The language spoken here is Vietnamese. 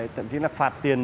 thậm chí là phạt tiền